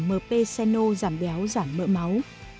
mp seno giảm béo giảm mỡ máu